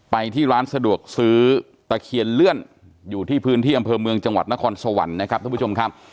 ไปที่ร้านสะดวกซื้อตะเคียนเลื่อนอยู่ที่พื้นที่อำเภอเมืองจังหวัดนครสวรรค์นะครับท่านผู้ชมครับ